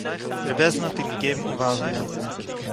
דער בית דין האָט איר געגעבן אָנווייזונגען